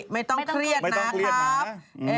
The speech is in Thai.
ไม่ต้องเครียดนะครับ